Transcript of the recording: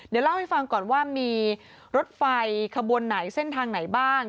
เดี๋ยวเล่าให้ฟังก่อนว่ามีรถไฟขบวนไหนเส้นทางไหนบ้าง